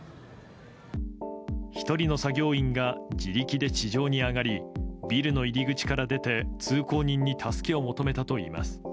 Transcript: １人の作業員が自力で地上に上がり、ビルの入り口から出て通行人に助けを求めたといいます。